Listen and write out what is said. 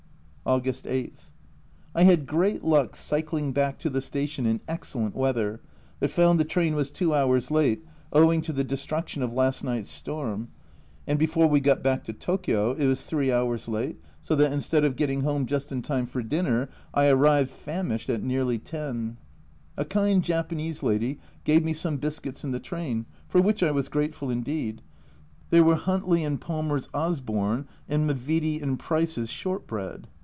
August 8. I had great luck cycling back to the station in excellent weather, but found the train was two hours late, owing to the destruction of last night's storm ; and before we got back to Tokio it was three hours late, so that instead of getting home just in time for dinner, I arrived, famished, at nearly 10. A kind Japanese lady gave me some biscuits in the train, for which I was grateful indeed ; they were Huntley and Palmers' "Osborne," and M'Vitie and Price's Shortbread